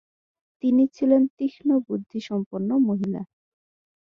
তিনি ছিলেন তীক্ষ্ম বুদ্ধিসম্পন্ন মহিলা।